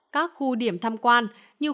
các khu điểm tham quan như